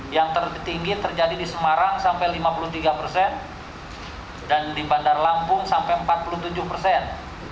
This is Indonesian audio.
yang tertinggi terjadi di semarang sampai lima puluh tiga persen dan di bandar lampung sampai empat puluh tujuh persen